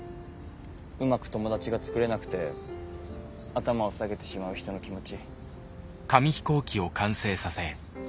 うまく友達が作れなくて頭を下げてしまう人の気持ち。